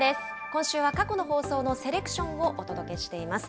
今週は過去の放送のセレクションをお届けしています。